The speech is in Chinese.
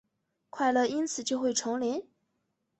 快乐因此就会重临？